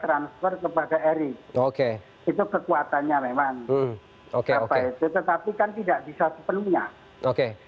transfer kepada erick oke itu kekuatannya memang apa itu tetapi kan tidak bisa sepenuhnya oke